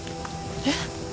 えっ？